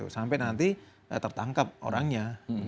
sampai nanti tertangkap orangnya